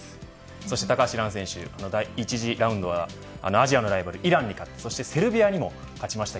そして高橋藍選手第１次ラウンドはアジアのライバル、イランに勝ってその後セルビアにも勝ちました。